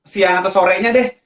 siang atau sorenya deh